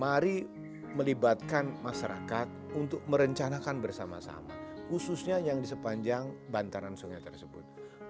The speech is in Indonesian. mari melibatkan masyarakat untuk merencanakan bersama sama khususnya yang di sepanjang bantaran sungai tersebut